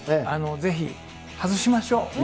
ぜひ外しましょう。